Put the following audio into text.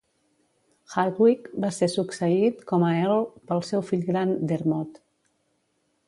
Hardwicke va ser succeït com a earl pel seu fill gran, Dermot.